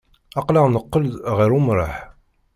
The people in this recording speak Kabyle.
Aql-aɣ neqqel-d ɣer umṛaḥ.